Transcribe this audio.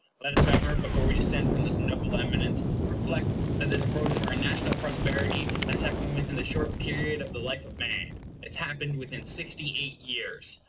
Let us, however, before we descend from this noble eminence, reflect that this growth of our national prosperity has happened within the short period of the life of man. It has happened within sixty eight years.